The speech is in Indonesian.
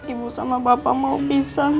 ibu sama bapak mau pisah